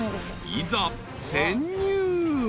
［いざ潜入］